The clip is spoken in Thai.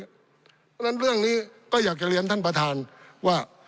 เพราะฉะนั้นเรื่องนี้ก็อยากจะเรียนท่านประธานว่า